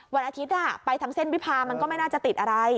วันอาทิตย์ไปทางเส้นวิพามันก็ไม่น่าจะติดอะไร